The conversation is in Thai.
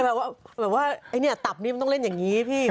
แบบว่าไอ้เนี่ยตับนี้มันต้องเล่นอย่างนี้พี่ขอโทษด้วย